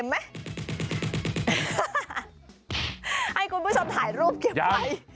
ให้คุณผู้ชมถ่ายรูปเก็บไว้